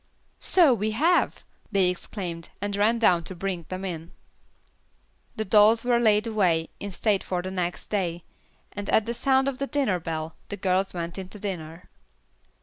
"So we have!" they exclaimed, and ran down to bring them in. The dolls were laid away in state for the next day, and at the sound of the dinner bell, the girls went into dinner.